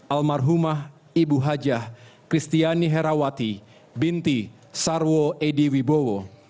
almarhumah ibu hajah kristiani herawati binti sarwo edi wibowo